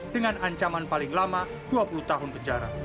dengan ancaman paling lama dua puluh tahun penjara